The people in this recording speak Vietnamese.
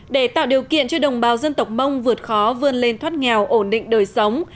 để tạo điều kiện cho đồng bào dân tộc mông vượt khó vươn lên thoát nghèo ổn định đời sống